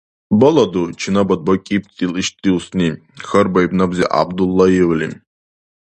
— Баладу, чинабад бакӀибтил ишди устни? — хьарбаиб набзи ГӀябдуллаевли.